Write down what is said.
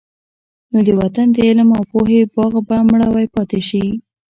نو د وطن د علم او پوهې باغ به مړاوی پاتې شي.